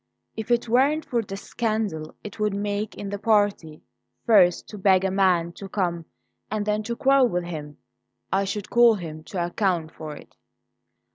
If it weren't for the scandal it would make in the party first to beg a man to come and then to quarrel with him, I should call him to account for it."